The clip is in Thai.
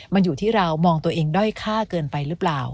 มันอยู่ที่เรามองตัวเองด้อยค่าเกินไปหรือเปล่า